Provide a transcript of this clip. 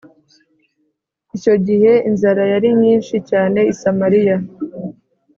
Icyo gihe inzara yari nyinshi cyane i Samariya